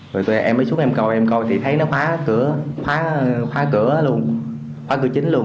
rồi em mới xuống em coi em coi thì thấy nó khóa cửa khóa cửa chính luôn